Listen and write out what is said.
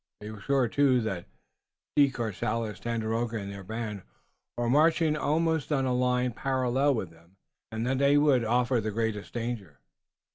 They were sure, too, that De Courcelles, Tandakora and their band were marching on a line almost parallel with them, and that they would offer the greatest danger.